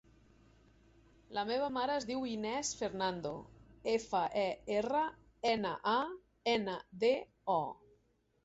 La meva mare es diu Inès Fernando: efa, e, erra, ena, a, ena, de, o.